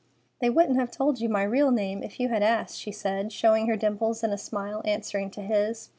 "They wouldn't have told you my real name if you had asked," said she, showing her dimples in a smile answering to his.